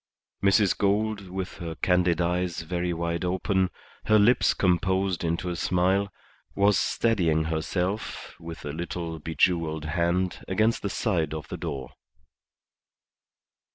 Mrs. Gould, with her candid eyes very wide open, her lips composed into a smile, was steadying herself with a little bejewelled hand against the side of the door.